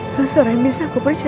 seseorang yang bisa aku percaya